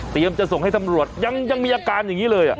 เตรียมจะส่งให้สำรวจยังยังมีอาการอย่างงี้เลยอ่ะ